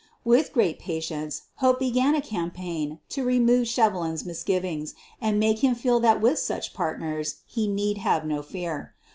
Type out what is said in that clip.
With great patience, Hope began a campaign to remove Shevelin 's misgivings and make him feel that with such partners he need have no fear.